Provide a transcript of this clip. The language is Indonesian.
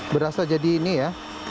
berasa jadi ini ya